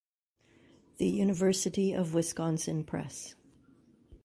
The University of Wisconsin Press.